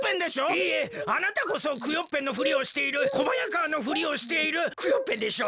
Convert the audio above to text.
いいえあなたこそクヨッペンのふりをしている小早川のふりをしているクヨッペンでしょ？